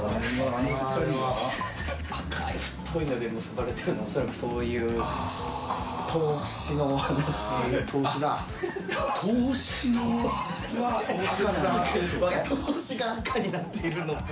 あれは赤い太いので結ばれてるのは恐らくそういう投資の話投資だ投資は赤なんだ投資が赤になっているのか